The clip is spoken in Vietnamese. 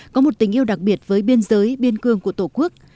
có một tình yêu đặc biệt với biên giới biên cương của tổ quốc